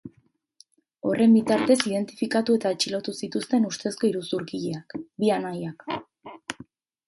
Horren bitartez identifikatu eta atxilotu zituzten ustezko iruzurgileak, bi anaiak.